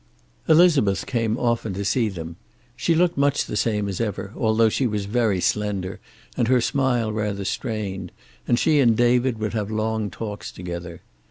Elizabeth came often to see them. She looked much the same as ever, although she was very slender and her smile rather strained, and she and David would have long talks together.